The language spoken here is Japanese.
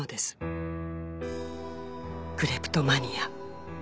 「クレプトマニア」